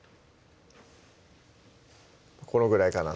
このぐらいかな？